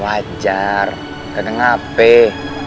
wajar kagak ngapih